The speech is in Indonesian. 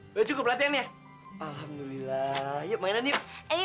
udah cukup latihan ya alhamdulillah yuk mainan yuk